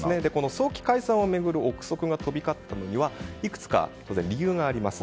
早期解散を巡る憶測が飛び交ったのにはいくつか当然、理由があります。